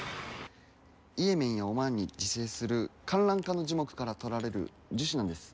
イエメンやオマーンに自生するカンラン科の樹木から採られる樹脂なんです